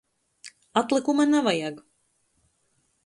Atlykuma navajag!